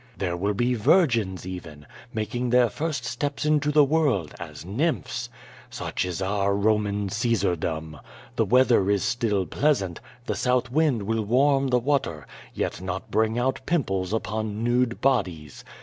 There will be virgins even, making their first steps into the world, as nymphs. Such is our Eoman Caesardom. The weather is still pleasant, the south wind will warm the water, yet not bring out pimples upon nude bodies.